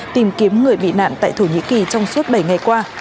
tìm kiếm người bị nạn tại thổ nhĩ kỳ trong suốt bảy ngày qua